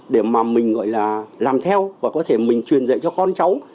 để mà mình gọi là làm theo và có thể mình truyền dạy cho con cháu